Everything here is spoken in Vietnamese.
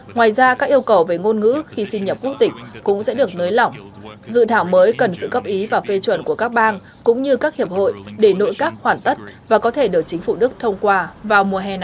ngoài ra các yêu cầu về ngôn ngữ khi sinh nhập quốc tịch cũng sẽ được nới lỏng dự thảo mới cần sự góp ý và phê chuẩn của các bang cũng như các hiệp hội để nội các hoàn tất và có thể được chính phủ đức thông qua vào mùa hè